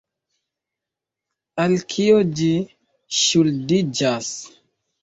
Al kio ĝi ŝuldiĝas?